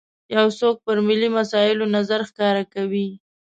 یو څوک پر ملي مسایلو نظر ښکاره کوي.